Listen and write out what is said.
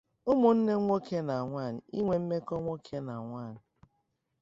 ụmụnne nwoke na nwanyị inwe mmekọ nwoke na nwanyị